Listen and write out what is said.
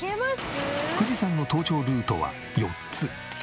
富士山の登頂ルートは４つ。